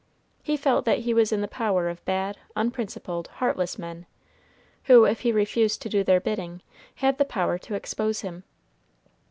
He felt that he was in the power of bad, unprincipled, heartless men, who, if he refused to do their bidding, had the power to expose him.